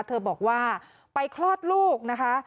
เธอบอกว่าไปคลอดลูกนะคะ